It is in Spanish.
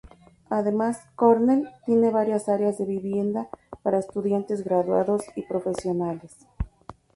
Además, Cornell tiene varias áreas de vivienda para estudiantes graduados y profesionales.